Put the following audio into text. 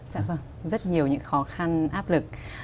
dạ vâng rất nhiều những khó khăn áp lực